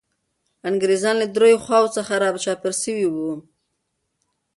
انګریزان له دریو خواوو څخه را چاپېر سوي وو.